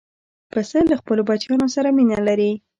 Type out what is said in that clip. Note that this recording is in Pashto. پسه له خپلو بچیانو سره مینه لري.